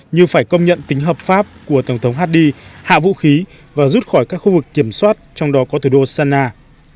như phải công nhận tính hợp pháp của tổng thống haddi hạ vũ khí và rút khỏi các khu vực kiểm soát trong đó có thủ đô sana